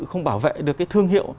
không bảo vệ được cái thương hiệu